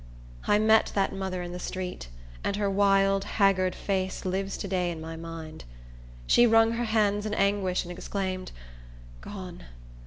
I met that mother in the street, and her wild, haggard face lives to day in my mind. She wrung her hands in anguish, and exclaimed, "Gone!